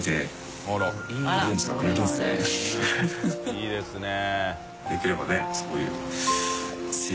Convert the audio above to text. いいですね。